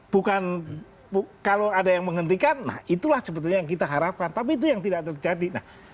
bukan kalau ada yang menghentikan nah itulah sebetulnya yang kita harapkan tapi itu yang tidak terjadi